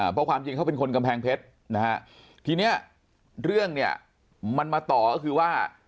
เพราะความจริงเขาเป็นคนกำแพงเพชรนะฮะทีนี้เรื่องเนี่ยมันมาต่อก็คือว่า